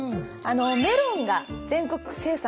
メロンが全国生産